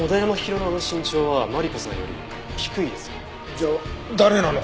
じゃあ誰なの？